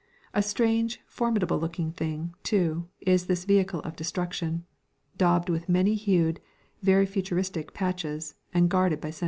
A strange, formidable looking thing, too, is this vehicle of destruction, daubed with many hued, very futuristic patches, and guarded by sentries.